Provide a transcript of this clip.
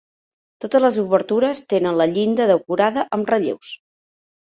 Totes les obertures tenen la llinda decorada amb relleus.